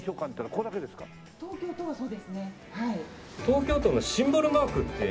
東京都のシンボルマークって。